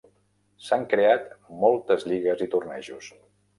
S'han creat moltes lligues i tornejos.